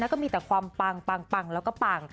แล้วก็มีแต่ความปังปังแล้วก็ปัง